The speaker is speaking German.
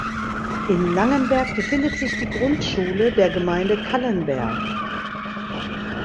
In Langenberg befindet sich die Grundschule der Gemeinde Callenberg.